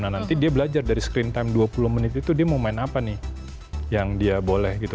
nah nanti dia belajar dari screen time dua puluh menit itu dia mau main apa nih yang dia boleh gitu